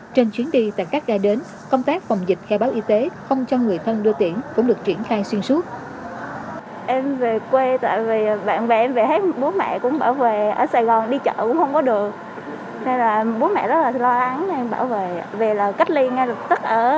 trên chuyến đi tại các gà đến công tác phòng dịch khai báo y tế không cho người thân đưa tiễn cũng được triển khai xuyên suốt